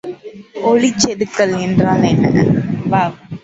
ஒளிச்செதுக்கல் என்றால் என்ன?